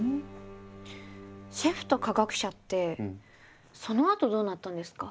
シェフと科学者ってそのあとどうなったんですか？